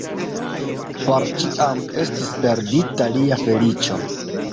Por ĉiam estis perdita lia feliĉo.